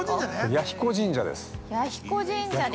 ◆彌彦神社です。